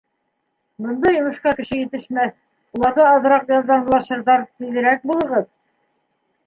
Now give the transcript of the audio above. Бында йомошҡа кеше етешмәҫ, улар ҙа аҙыраҡ ярҙамлашырҙар, тиҙерәк булығыҙ.